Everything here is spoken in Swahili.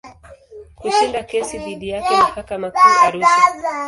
Kushinda kesi dhidi yake mahakama Kuu Arusha.